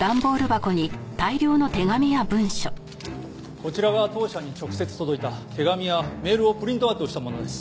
こちらが当社に直接届いた手紙やメールをプリントアウトしたものです。